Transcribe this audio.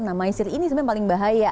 nah maisir ini sebenarnya paling bahaya